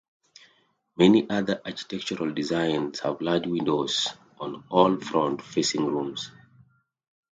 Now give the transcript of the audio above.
Many other architectural designs have large windows on all front-facing rooms.